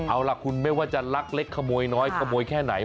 เอาล่ะคุณไม่ว่าจะลักเล็กขโมยน้อยขโมยแค่ไหน